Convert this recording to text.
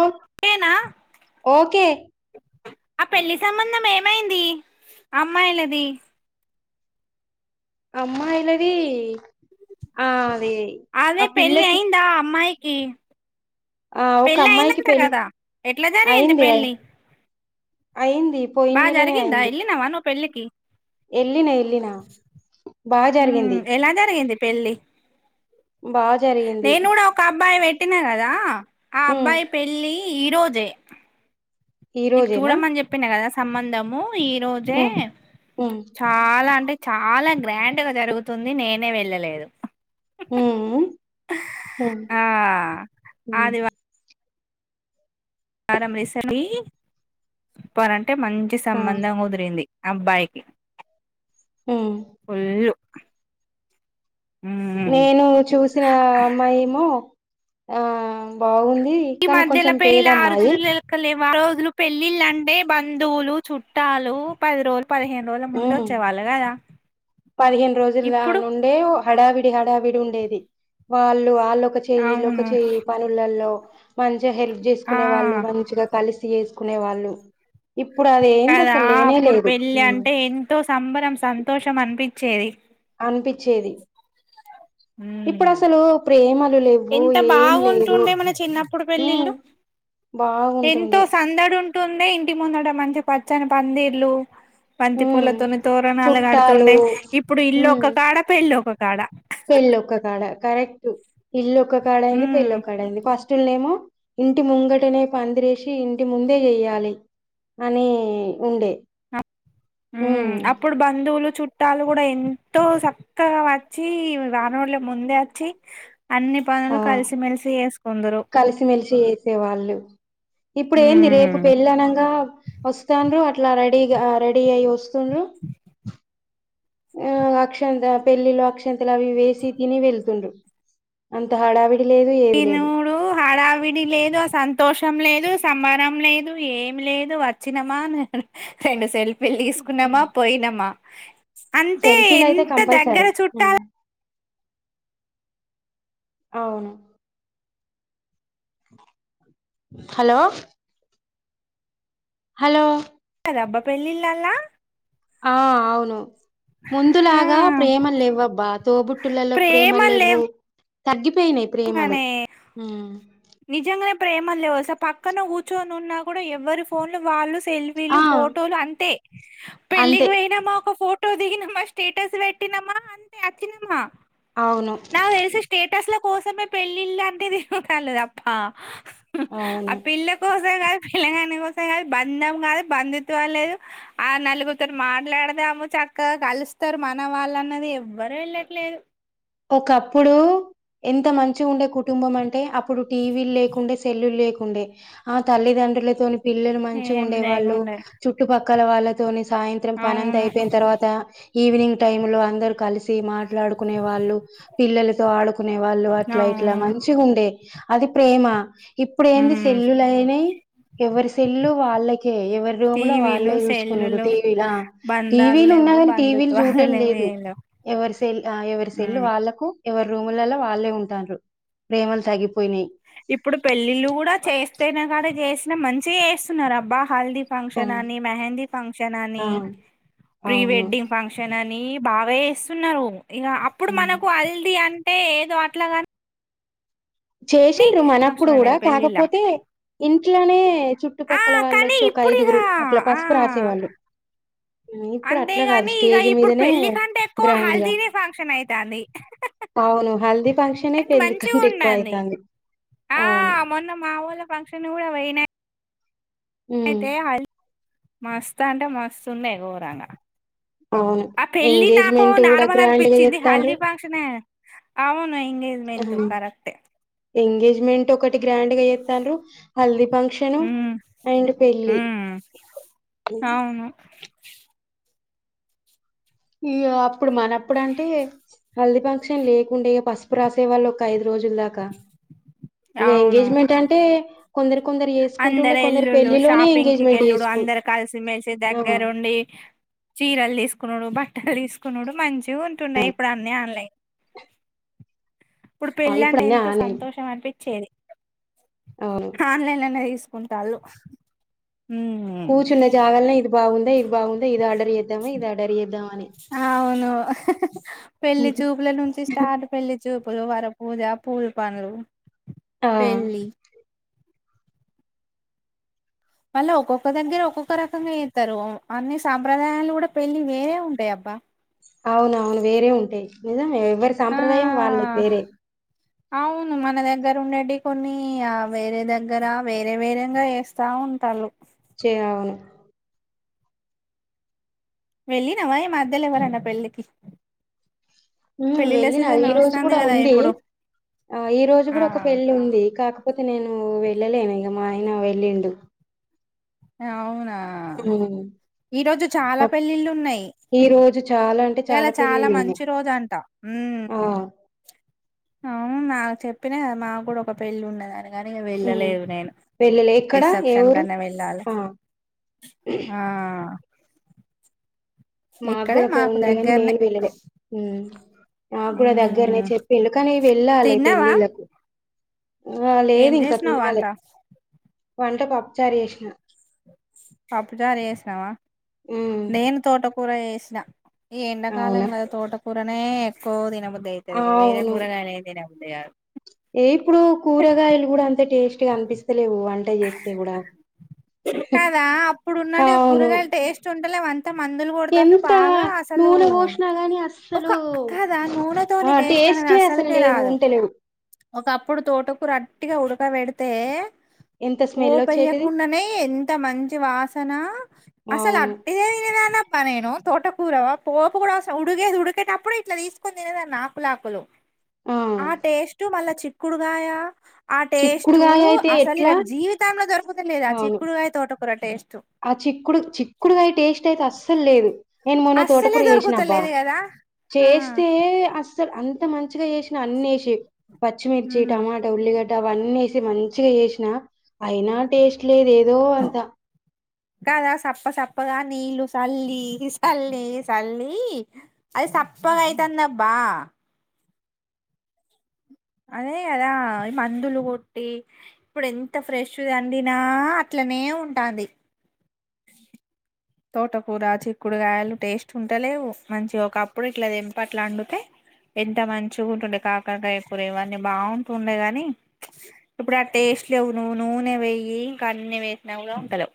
ఓ ఓకేనా ఓకే ఆ పెళ్లిి సంబంధం ఏమైంది అమ్మాయిలది అమ్మయిలది ఆ అది ఆ అదే పెళ్లి పిల్లకి అయిందా అమ్మాయి కీ ఆ ఒక పెళ్ళి అమ్మాయికి అయిందంట పెళ్ళి కదా ఎట్లా జరిగింది అయింది పెళ్ళి అయింది పోయినేలనే అయింది పెళ్లికి ఏళ్ళిన ఏళ్ళిన బా జరిగింది పెళ్ళి బా జ్ నేను కూడా ఒక అబ్బాయి వే ట్టిన కదా ఆ ఉమ్ అబ్బాయి పెళ్లి ఈరోజే ఈ నీకు రోజేనా చూడమని చెప్పిన కదా స్ సంబంధము ఈ రోజే ఉమ్ ఉమ్ చాలా అంటే చాలా గ్రాండ్గా జరుగుతుంది నేనే వెళ్ళలేదు ఉమ్ హు ఆ హూ పానం తీసంది పరన్ టే మంచి ఆ సంబంధం కుదిరింది అబ్బాయికి ఉమ్ ఫుల్లు నేను చూసిన అమ్మాయి ఏమో ఆ బాగుంన్ ది కాని కొంచెం పేద అమ్మాయి వా రోజులు పెళ్ళిళ్ళు అంటే బంధువులు చుట్టాలు పది రోజ్ ఉమ్ పదిహేను రోజులు దా ఇప్పుడు నుండే హడావిడి హడావిడి ఉండేది వాళ్ లు వాళ్ళు ఒక చేయి ఇలోక అవును చేయి పనులలో మం చిగా హెల్ప్ ఆ చేసుకునే వాళ్ళు మంచిగా కలిస్ చేసుకునే వాళ్ళు ఇప్పుడు అది ఎంది అసలు లేనే లేదు ంతో సంబరం సంతోషం అ నిపించ్చేది అనిపించేది ఇప్పుడు ఉమ్ అసలు ప్రేమలు లేవ్వు ఎంత ఏం లేదు బాగుంటుండే మన చిన్నప్పుడు ఉం పెళ్ళిళ్ళు బాగుంటుండే ట్టుంది ఇంటి ముందుట మంచి పచ్చని పందిర్లు బంతి ఉమ్ పూలతోని తోరణాలు చుట్టాలు కాడుతుండే ఇప్పుడు ఇల్లుొ ఒక కాడ పెళ్ళొ ఒక కాడ పెళ్లి ఒక కాడ కరెక్ట్ ఇల్లు ఒ క్క కాడ అయింది పెళ్లి ఉమ్ ఒక కాడ అయింది ఫష్ ట్ ల్నిమో ఇంటి ముంగటనే పందిరేసి ఇంటి ముందే చెయాలి అని ఉండే హ్మ్. అప్పుడు బందువులు చు ట్టాలు కూడా ఎంతో చక్కగా వచ్చి రాన వాళ్ళ ముందే వచ్చి అన్ని పనులు ఆ కలిసిమెలిసి చేసుకుందురు కలిసిమెలిసి వసే వాళ్ళు ఇప్పుడు ఏంది రేపు ఉమ్ పెళ్ళనంగా వస్తండ్రు అట్లా రై ఇగ రెడీ అయి వస్తు స్తుండ్రు ఆ అక్షంత పెళ్ళిళ అక్షంతలు అవి వేసి తిని వెళ్తుండ్రు అంత హడావి తినుడు హడావిడి లేదు ఆ సంతోషం లేదు సంబరం లేదు ఏమి లేదు వచ్చినమా రెండు సెల్ఫీ వెళ్లి తీసుకున్నామా పోయినామా [inaudible] అంటే సెల్ఫీలయితే ఎంత దగ్గర కంపల్సరీ. చుట్టాలు అవును హలో హలో రబ్బ పెళ్ళిల్లాలా ఆ అవును ఆ ముందులాగా ప్రేమ లేవ్వబ్బా తోబుట్టులలో ప్రేమలు లేవు తగ్గి పోయినాయి ప్రేమలు లేవుగానే ప్రేమ లేవుస పక్కన కూర్చొని ఉన్నా కూడా ఎవ్వరి ఫోన్లు వాళ్ళు ఆ సెల్ఫీలు ఫోటోలు అంతే అంతే పెళ్లికి పోయినా మా ఒక ఫోటో ఫోటో దిగినమ్మా స్టేటస్ పెట్టినమా అంతే వచ్చినమ్మా అవును నాక్ తెల్సి స్టేటస్ లో కోసమే పెళ్ళిళ్ళు అంటే తిరుగుతలేద అబ్బా ఆ అవును పిలా కోసం కాదు పిల్ల గానీ కోసం కాదు బంధం కాదు బంధుత్వాలు లేదు, ఆ నలుగుతారు మాట్లాడద అమ్మో చక్కగా కలుస్తారు మన వాళ్ళు అన్నది ఎవ్వరు వెళ్ళట్లేదు ఒకప్పుడు ఎంత మంచి ఉండే కుటుంబం అంటే అప్పు ఇప్పుడు టీవీలు లేకుండా సెల్లులు లేకు డే ఆ తల్లిదండ్రులే తోని పిల్లలు మంచిగా ఏం ఉండే వాళ్ళు లేకుండే చుట్టుపక్కల కల వాళ్ళతోనే సాయంత్రం పనంత అవును అయిపోయిన తర్వాత ఈవినింగ్ టైమ్ లో అందరు కలిసి మా మాట్లాడుకునే వాళ్ళు పిల్లుతో ఆడుకు కునే వాళ్ళు అట్లా ఇట్లా అవును మంచి ఉండే అది ప్రేమ ఇప్పుడు ఏంది ఉమ్ సెల్లులుయినా, ఎవరి సెల్లు వాళ్ళకే, ఎవరి రూమ్ లో టీవీలు వాళ్ళే చూసుకున్నాడు సెల్లులు టీవీలా బంధాలు టీవీలు ఉన్నా లేవు కాని టీవీలు బంధుత్వాలు చూటం లేవు లేదు ఏం లేవు ఎవరి సెల్ ఎవరి తెల్లు ఉమ్ వాళ్ళకు ఎవరు రూములలో వాళ్ళే ఉంటారు ప్రేమలు తగిపో ఇప్పుడు పెళ్ళిళ్ళు కూడా చేస్తేనే కానీ చేస్ ఇ మంచిగా చేస్తున్నారు అబ్బా హల్దీప్ ఆ ఫంక్షన్ అని మెహందీ ఫంక్షన్ అని ఆ ప్రీ అవును వెడ్డింగ్ ఫంక్షన్ అని బాగా వేస్తున్నావు ఇక అప్పుడు ఉమ్. మనకు హల్దీ అని అంటే ఏదో అట్లాగాని చేసిండ్రు మనప్పుడు ఫంక్షన్ కూడా అనేది పెళ్ళిలా కాకపోతే, ఇంట్లోనే ఆ చుట్టుపక్కల కానీ వాళ్ళొచ్చి ఒక ఇప్పుడు ఇక ఐదుగురు అట్లా పసుపు ఆ రాసేవాళ్ళు ఉమ్, ఇప్పుడు అట్లా కాదు అంతేగాని ఇగ స్టేజ్ ఇప్పుడు మీదనే పెళ్ళి కంటే ఎక్కువ గ్రాండ్ గా హల్దీనే ఫంక్షన్ అయితంది అవును హల్దీ ఫంక్షనే కానీ పెళ్లి మంచిగా కంటే ఎక్కువ ఉండాంది. అయితాంది ఆ అవును మొన్న మావోళ్ల ఫంక్షన్ కూడా పోయినా ఉమ్ అయితే హల్ మస్త్ అంటే మస్తు ఉండె గోరంగా అవును ఆ పెళ్ళి నాకు ఎంగేజ్మెంట్ కూడా నార్మల్ గ్రాండ్ గా అనిపిచ్చింది. చేత్తాండ్రు హల్దీ ఫంక్షనే అవును ఎంగేజ్మెంట్ కరెక్టే. ఎంగేజ్మెంట్ ఒకటి గ్రాండ్గా చేత్తండ్రూ హల్దీ ఫంక్షన్ ఉమ్ అండ్ పెళ్ళి. ఉమ్ అవును ఈ అప్పుడు మనప్పుడు అంటే హల్ది ఫంక్షన్ లేకుండే ఇక పసుపు రాసే వాళ్ళు ఒక ఐదు రోజులు దాకా ఇగ అవును ఎంగేజ్మెంట్ అంటే కొందరు కొందరు చేసుకుంటుండే అందరు కొందరు ఎల్లుళ పెళ్లిలోనే షాపింగ్ కి ఎంగేజ్మెంట్ వెళ్ళుడు చేసుకు అందరు కలిసిమెలిసి ఆ దగ్గరుండి చీరలు తీసుకు కున్నాడు బట్టలు తీసుకున్నాడు మంచి చ ఉంటుండయి ఇప్పుడు అన్ని ఆన్లైన్ అప్పుడు ఆ పెళ్ళి ఇప్పుడు అంటే అన్నీ ఎంతో ఆన్లైన్ సంతోషం అనిపించేది అవును హా ఆన్లైన్ లో నే కుంటాళ్ళు కూచున్న జాగాలో ఇది బావుందా ఇది బావుందా ఇది ఆర్డర్ చేద్దామా ఇది ఆర్డర్ చేద్దామా అని అవును అహ్ హపెళ్లిి చూపుల నుంచి స్టార్ట్ పెళ్లిి చూపు ప్పులు వార పూజా పూలు పనులు ఆ పెళ్లీ మళ్ళా ఒక్కొక్క దగ్గర ఒక్కొక్క రకంగా ఇస్తారు అన్ని సాంప్రదాయాలు కూడా పెళ్ళి వేరే ఉంటాయి అబ్బా లేదా ఎవరి ఆ సాంప్రదాయం వాళ్ళకి వేరే అవును మన దగ్గర ఉండేటివి కొన్ని వేరే దగ్గర వేరే వేరేగా వేస్తా ఉంటారు చేయవును వెళ్ళినావా ఈ మధ్య ల ఎవరైనా పెళ్లి కి ఊ వెళ్ళిన ఈ రోజు కూడా కదా ఉంది ఇప్పుడు ఆ ఈ రోజు ఆ కూడా ఒక పెళ్లిి ఉంది కాక కాకపోతే నేను వెళ్ళలేను ఇక మా ఆయన వెళ్ళిండు ఆ అవును ఆ హ్మ్ ఈ రోజు చాలా అప్ పెళ్ళిళ్ళు ఉన్నయి ఈ రోజు చాలా అంటే ఇయాల చాలా పెళ్ళిళ్ళు ఉన్నాయి మంచి రోజు అంట ఆ నాకు చెప్పిన కదా మాకు కూడ ఒక పెళ్ళి ఉన్నదని కాని హ్మ్ వెళ్ళలేదు నేను వెళ్ళలే ఎక్కడ ఏ రిసప్షన్ ఊరు కన్నా వెళ్ళాలి ఆ ఆ మాకు ఇక్కడే కూడా పెళ్లి ఉండేగాని దగ్గరనే నేను వెల్లెలె నా కూడా దగ్గరనే ఉమ్ చెప్పిళు కానీ వెళ్ళాలె తిన్నావా పెళ్ళిళ్ళలకు ఆ ఏం లేదు ఇంకా చేసినావ్ వంట తినాలె వంట పప్పుచారు జెసిన పప్పుచారు జెసినవా హ్మ్ నేను తోటకర ఏ ృష్ణ [inaudible] ఈ ఎండకాలం అవునా కద తోట కురనె ఎక్కువ తిన ఉయితే అ వే కూరగానే ఉంది [inaudible] ఎ ఇప్పుడు కూరగాయలు కూడ అంతె టేస్ట్ కనిపిస్తలేవు కదా అప్పుడు ఉన్నట్ అవును కూరగాయలు టేస్ట్ ఉంటలే అవంతా మందులు కొడతలు ఎంత బాగా అసలు నూనె పోసినా గాని ఒక అస్సలు కదా నూనె తోని ఆ టేస్ట్ అనేది టేస్టే అసలు అసలుకే లేవు రాదు ఉంటలేవు ఒకప్పుడు తోట కూర అట్టిగా ఉడకబెడితే ఎంత స్మెల్ వచ్చేటిది పోపయ్యకుండానే ఎంత మంచి వాసన అసలు అవును అట్టిగా తినే దాన్నబ్బా నేను తోటకూరవ పోపు కూడసం ఉడిగేది ఉడికేటప్పుడు ఇట్లా తీసుకొని తినదాన్ని ఆకులాకులు ఆ టేస్టూ మళ్ళ చిక్కుడుగాయ చిక్కుడు కాయ అయితే ఎట్ల జీవితంలొ దోరుకుతలేదు ఆ చిక్కుడుగాయి తోట కూర టేస్ట్ ఆ చిక్కుడు చిక్కుడుగాయ టేస్ట్ అయితే అస్సల్ లేదు నేను మొన్న తోట అస్సలే కూర చేేసినబ్బా దొరుకుతలేదు కదా ఆ చేస్తే అస్సలు అం ఇంత మంచిగ చేసిన అన్ని వేసి పచ్చిమిర్చి ఉమ్ టమాట ఉల్లిగట్ట అవన్నెసి మంచిగా చేసిన అయినా టేస్ట్ లేదేదో అంత కదా సప్ప సప్పగా నీళ్ళ సల్లి సల్లి సల్లి అది సప్పగా అయితందబ్బా అదే కదా మందులు కొట్టి ఇప్పుడు ఎంత ఫ్రెష్ది వండినా అట్లనే ఉంటాంది. తోటకూర చిక్కుడుకాయలు టేస్ట్ ఉంటలేవు మంచిగా ఒకప్పుడు ఇట్లా ఏంప అట్లా వండుతే ఎంత మంచిగా ఉంటుండే కాకరకాయ కూర ఇవన్నీ బాగుంటుండే గానీ ఇప్పుడు ఆ టేస్ట్ లేవు నువ్వు నూనె వేయి ఇంకా అన్నీ వేసినా కూడా ఉంటలేవు